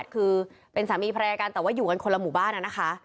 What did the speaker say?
คือเป็นสามีภรรยากันแต่ว่าอยู่กันคนละหมู่บ้านนะคะ